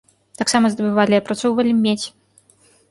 Таксама здабывалі і апрацоўвалі медзь.